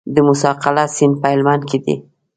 د موسی قلعه سیند په هلمند کې دی